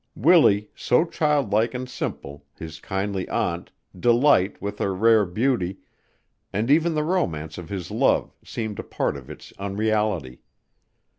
Willie, so childlike and simple, his kindly aunt, Delight with her rare beauty, and even the romance of his love seemed a part of its unreality.